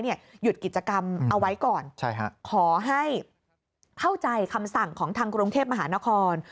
หยุดกิจกรรมเอาไว้ก่อนขอให้เข้าใจคำสั่งของทางกรุงเทพมหานคร